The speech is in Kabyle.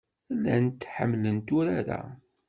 Llant ḥemmlent urar-a.